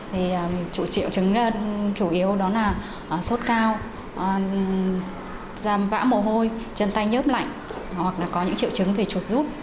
thì triệu chứng chủ yếu đó là sốt cao giam vã mồ hôi chân tay nhớp lạnh hoặc là có những triệu chứng về trụt rút